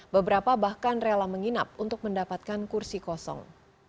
beberapa bahkan rela menginap untuk mendapatkan kursi kosong